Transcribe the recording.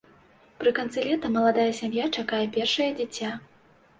Пры канцы лета маладая сям'я чакае першае дзіця.